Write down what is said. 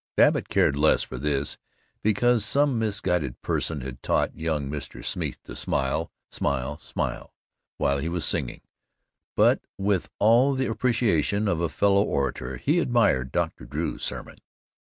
Babbitt cared less for this, because some misguided person had taught young Mr. Smeeth to smile, smile, smile while he was singing, but with all the appreciation of a fellow orator he admired Dr. Drew's sermon.